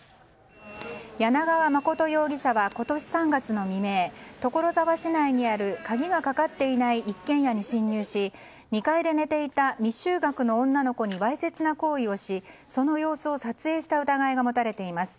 柳川実容疑者は今年３月の未明所沢市内にある鍵のかかっていない一軒家に侵入し２階で寝ていた未就学の女の子にわいせつな行為をし、その様子を撮影した疑いが持たれています。